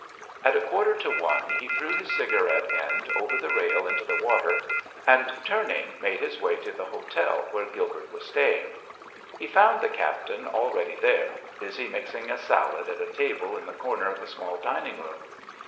At a quarter to one he threw his cigarette end over the rail into the water, and turning, made his way to the hotel where Gilbert was staying. He found the Captain already there, busy mixing a salad at a table in the corner of a small dining room.